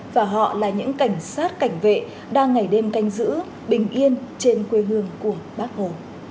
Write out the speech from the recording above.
và họ là những cảnh sát cảnh vệ đang ngày đêm canh giữ bình yên trên quê hương của bác hồ